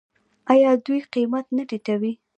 آیا دوی قیمت نه ټیټوي؟